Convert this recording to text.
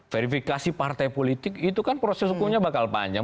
verifikasi partai politik itu kan proses hukumnya bakal panjang